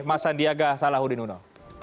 mas sandiaga salahuddin uno